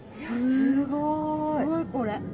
すごいこれ。